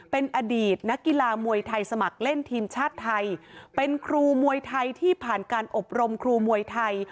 เป็นอดีตนักกีฬามวยไทยสมัครเล่นทีมชาติไทยเป็นครูมวยไทยที่ผ่านการอบรมครูมวยไทย